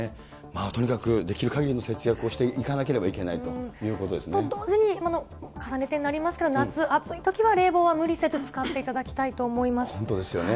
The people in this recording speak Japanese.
とにかくできるかぎりの節約をしていかなければいけないということ同時に、重ねてになりますけど、夏、暑いときは冷房は無理せず使っていただきたいと思いま本当ですよね。